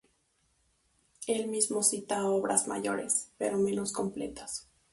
Él mismo cita a obras mayores, pero menos completas.